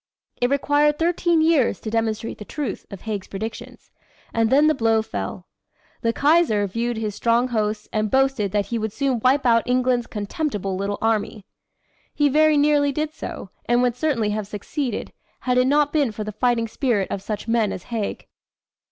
It required thirteen years to demonstrate the truth of Haig's predictions, and then the blow fell. The Kaiser viewed his strong hosts and boasted that he would soon wipe out England's "contemptible little army." He very nearly did so, and would certainly have succeeded, had it not been for the fighting spirit of such men as Haig.